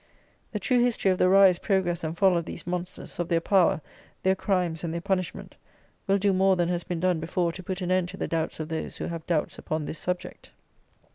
The true history of the rise, progress and fall of these monsters, of their power, their crimes and their punishment, will do more than has been done before to put an end to the doubts of those who have doubts upon this subject.